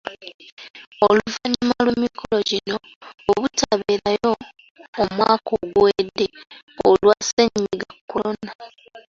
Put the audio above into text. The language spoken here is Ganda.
Oluvannyuma lw’emikolo gino obutabeerayo omwaka oguwedde olwa Ssennyiga Kolona.